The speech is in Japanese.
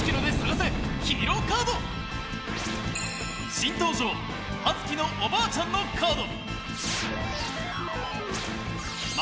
新登場！はづきのおばあちゃんのカード！